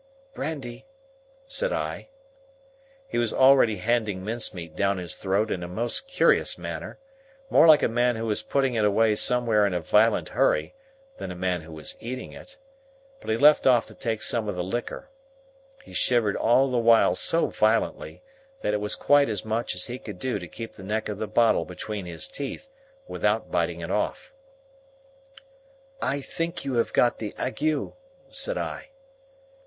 "Brandy," said I. He was already handing mincemeat down his throat in the most curious manner,—more like a man who was putting it away somewhere in a violent hurry, than a man who was eating it,—but he left off to take some of the liquor. He shivered all the while so violently, that it was quite as much as he could do to keep the neck of the bottle between his teeth, without biting it off. "I think you have got the ague," said I.